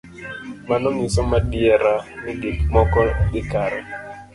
Mano ng'iso madiera ni gik moko dhi kare.